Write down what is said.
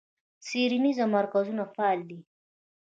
څیړنیز مرکزونه فعال دي.